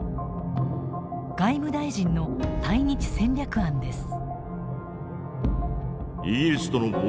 外務大臣の対日戦略案です。